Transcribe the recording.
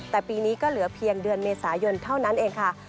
แต่ปีนี้ก็เหลือเพียงเดือนเมษายนเท่านั้นเองค่ะ